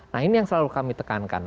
nah ini yang selalu kami tekankan